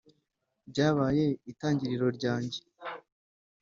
byabaye itangiriro ryanjye